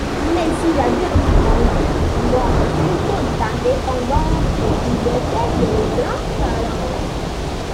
Mais si j’avais envie, moi, plutôt, d’indépendance, de liberté, de transparence ?